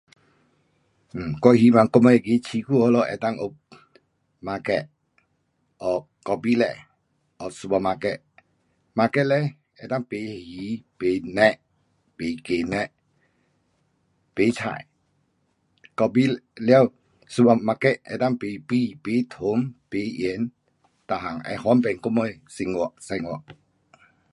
um 我希望我们的市区我们能够有 market 还有 kopi 店，还有 super market, market 嘞能够买鱼，买肉，买鸡肉，买菜，kopi, 了 super market 能够买米，买糖，买盐，每样能够过我们的生活。